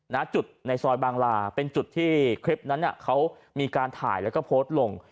นะจุดในซอยบางลาเป็นจุดที่คลิปนั้นเขามีการถ่ายแล้วก็โพสต์ลง